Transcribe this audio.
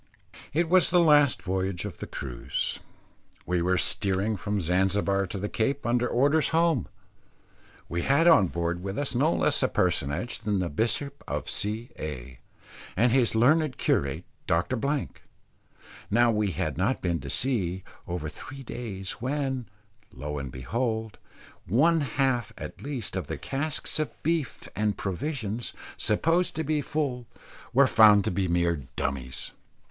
It was the last voyage of the cruise. We were steering from Zanzibar to the Cape, under orders home. We had on board with us no less a personage than the bishop of C A and his learned curate, Dr. Blank. Now we had not been to sea over three days when, lo and behold! one half, at least, of the casks of beef and provisions, supposed to be full, were found to be mere dummies.